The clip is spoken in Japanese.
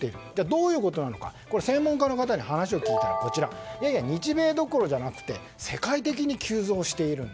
どういうことか、専門家の方に話を聞いたら日米どころじゃなくて世界的に急増している。